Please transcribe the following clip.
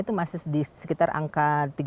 itu masih di sekitar angka